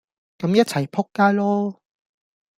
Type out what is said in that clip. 咁一齊仆街囉!